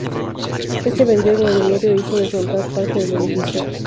Este vendió el mobiliario e hizo desmontar una parte del edificio.